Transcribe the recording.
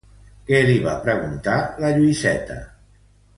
Què li va preguntar la Lluïseta?